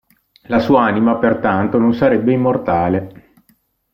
La sua anima pertanto non sarebbe immortale.